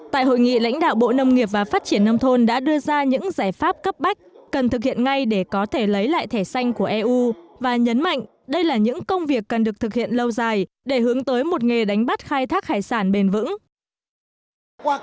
thời gian qua bộ nông nghiệp và phát triển đông thôn đã tổ chức nhiều đoàn kiểm tra đồn đốc hướng dẫn các địa phương triển khai thực hiện chống khai thác iuu